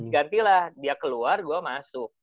gantilah dia keluar gue masuk